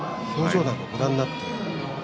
表情をご覧になって。